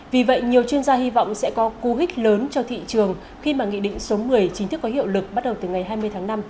vì vậy nhiều chuyên gia hy vọng sẽ có cú hích lớn cho thị trường khi mà nghị định số một mươi chính thức có hiệu lực bắt đầu từ ngày hai mươi tháng năm